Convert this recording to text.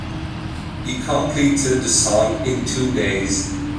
He completed the song in two days.